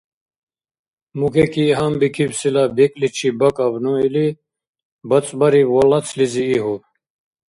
«Мукеки гьанбикибсила бекӀличиб бакӀабну» или, бацӀбариб ва лацлизи игьуб.